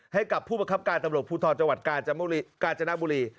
ให้กับผู้บังคับการตำรวจพูทธรจกาจนบุรี